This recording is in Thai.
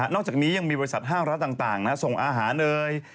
อกจากนี้ยังมีบริษัทห้างร้านต่างส่งอาหารเอ่ย